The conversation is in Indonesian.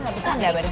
bisa gak barusan